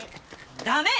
ダメ！